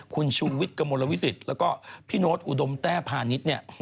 คุณชูวิทย์กระมวลวิสิตแล้วก็พี่โน๊ตอุดมแต้พาณิชย์เนี่ย